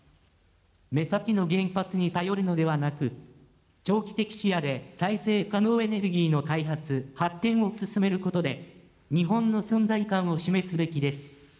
目先の原発に頼るのではなく、長期的視野で再生可能エネルギーの開発・発展を進めることで、日本の存在感を示すべきです。